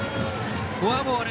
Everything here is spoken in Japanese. フォアボール。